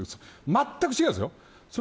まったく違うんですよ。